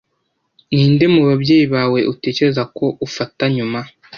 Ninde mubabyeyi bawe utekereza ko ufata nyuma?